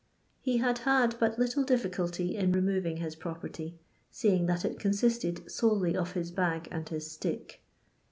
He had had but little difficulty in removing his property, seeing that it consisted solely of his bag and his stick.